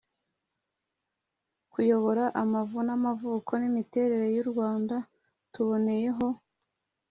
kuyobora amavu n'amavuko n'imiterere y'uru rwanda. tuboneyeho